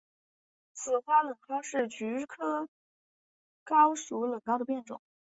紫花冷蒿是菊科蒿属冷蒿的变种。